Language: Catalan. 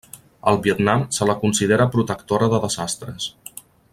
Al Vietnam se la considera protectora de desastres.